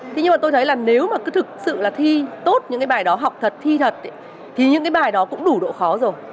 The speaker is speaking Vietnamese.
thế nhưng mà tôi thấy là nếu mà cứ thực sự là thi tốt những cái bài đó học thật thi thật thì những cái bài đó cũng đủ độ khó rồi